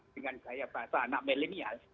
dengan gaya bahasa anak milenial